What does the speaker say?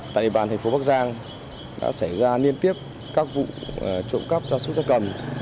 tại địa bàn thành phố bắc giang đã xảy ra liên tiếp các vụ trộm cắp cho xuất gia cầm